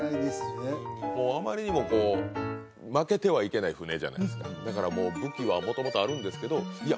もうあまりにもこう負けてはいけない船じゃないですかだからもう武器は元々あるんですけどいや